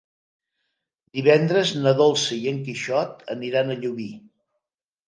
Divendres na Dolça i en Quixot aniran a Llubí.